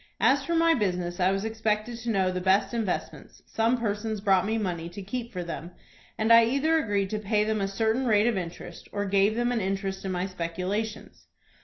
As from my business I was expected to know the best investments, some persons brought me money to keep for them, and I either agreed to pay them a certain rate of interest, or gave them an interest in my speculations.